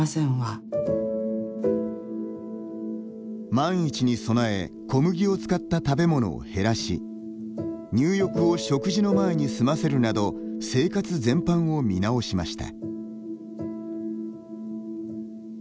万一に備え小麦を使った食べ物を減らし入浴を食事の前に済ませるなど生活全般を見直しました。